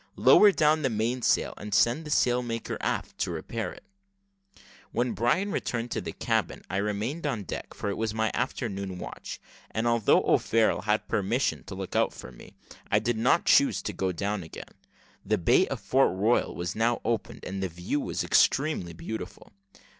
Lower down the mainsail and send the sailmaker aft to repair it." When O'Brien returned to the cabin, I remained on deck, for it was my afternoon watch; and although O'Farrel had permission to look out for me, I did not choose to go down again. The bay of Fort Royal was now opened, and the view was extremely beautiful.